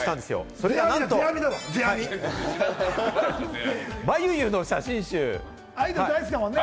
それがなんと、アイドル大好きだもんね。